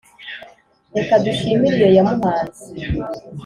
reka dushimire iyo yamuhanze